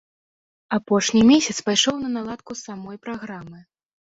Апошні месяц пайшоў на наладку самой праграмы.